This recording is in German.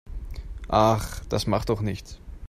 Ach, das macht doch nichts.